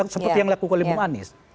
seperti yang dilakukan oleh bung anies